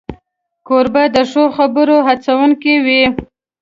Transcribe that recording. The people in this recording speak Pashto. کوربه د ښو خبرو هڅونکی وي.